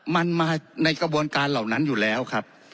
มันมาในกระบวนการเหล่านั้นอยู่แล้วครับ